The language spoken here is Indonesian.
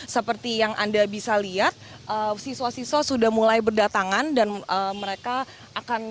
seperti yang anda bisa lihat siswa siswa sudah mulai berdatangan dan mereka akan